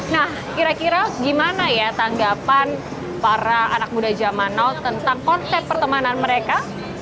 nah kira kira gimana ya tanggapan para anak muda zaman now tentang konsep pertemanan mereka